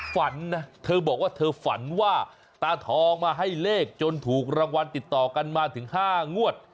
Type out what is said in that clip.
ฝันนะเธอบอกว่าเธอฝันว่าตาทองมาให้เลขจนถูกรางวัลติดต่อกันมาถึง๕งวด